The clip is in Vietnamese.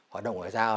hoạt động ngoại giao